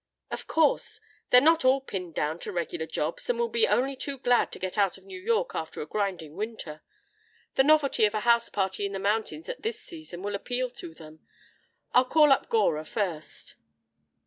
"Of course. They're not all pinned down to regular jobs, and will be only too glad to get out of New York after a grinding winter. The novelty of a house party in the mountains at this season will appeal to them. I'll call up Gora first."